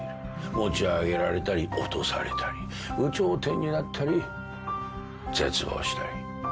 持ち上げられたり落とされたり有頂天になったり絶望したり。